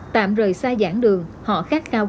tạm rời xa giảng đường họ khát khao